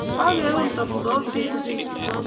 Kageun tostosinik